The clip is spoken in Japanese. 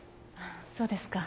そうですか。